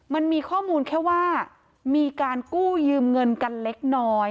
มันมีข้อมูลแค่ว่ามีการกู้ยืมเงินกันเล็กน้อย